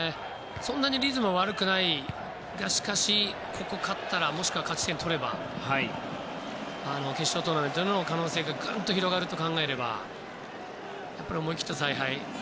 そんなにリズムは悪くないけどここに勝てば、もしくは勝ち点取れば決勝トーナメントへの可能性がぐっと近づくと考えればやっぱり思い切った采配